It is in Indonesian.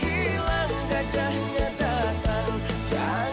jangan diam diam begitu